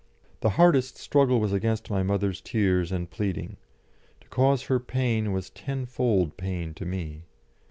The hardest struggle was against my mother's tears and pleading; to cause her pain was tenfold pain to me.